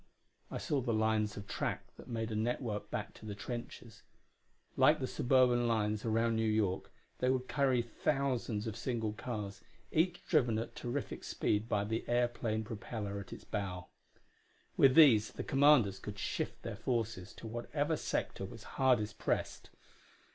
I saw the lines of track that made a network back to the trenches. Like the suburban lines around New York, they would carry thousands of single cars, each driven at terrific speed by the air plane propeller at its bow. With these, the commanders could shift their forces to whatever sector was hardest pressed.